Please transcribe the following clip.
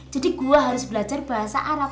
jadi gua harus belajar bahasa arab